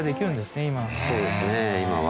そうですね今は。